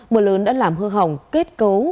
mưa lớn đã làm hư hỏng kết cấu